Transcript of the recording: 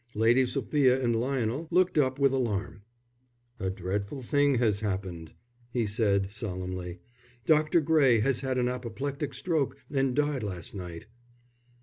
Lady Sophia and Lionel looked up with alarm. "A dreadful thing has happened," he said, solemnly. "Dr. Gray has had an apoplectic stroke and died last night."